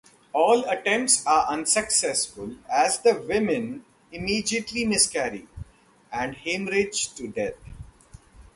All attempts are unsuccessful as the women immediately miscarry and hemorrhage to death.